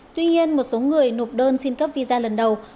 tuy nhiên một số người nộp đơn xin cấp visa lần đầu